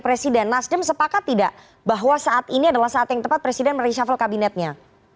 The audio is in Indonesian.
presiden nasdem sepakat tidak bahwa saat ini adalah saat yang tepat presiden mereshuffle kabinetnya